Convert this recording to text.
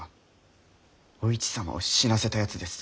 お市様を死なせたやつですぞ。